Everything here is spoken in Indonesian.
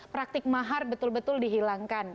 praktik mahar betul betul dihilangkan